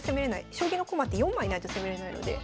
将棋の駒って４枚ないと攻めれないので。